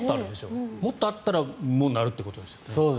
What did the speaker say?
もっとあったらなるということですよね。